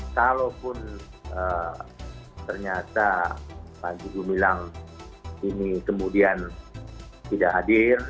kalaupun ternyata pandigi milang ini kemudian tidak hadir